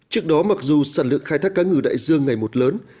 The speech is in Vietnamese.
trước đó mặc dù sản lượng khai thác cá ngừ đại dương ngày một lớn